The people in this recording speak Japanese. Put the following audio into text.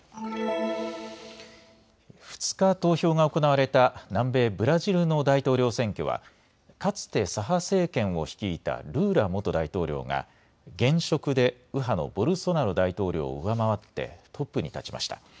２日、投票が行われた南米ブラジルの大統領選挙はかつて左派政権を率いたルーラ元大統領が現職で右派のボルソナロ大統領を上回ってトップに立ちました。